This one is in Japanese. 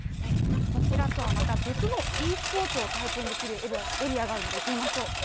こちらとはまた別のｅスポーツを体験できるエリアがあるので、行ってみましょう。